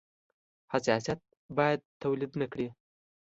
حساسیت باید تولید نه کړي.